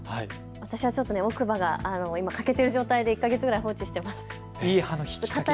私はちょっと奥歯が今、欠けている状態で１か月くらい放置しています。